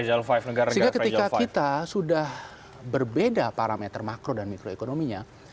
sehingga ketika kita sudah berbeda parameter makro dan mikroekonominya